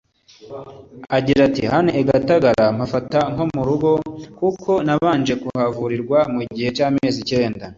Agira ati “Hano i Gatagara mpafata nko mu rugo kuko nabanje kuhavurirwa mu gihe cy’amezi icyenda